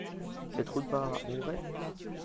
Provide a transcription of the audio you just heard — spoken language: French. Cette route va à Auray ?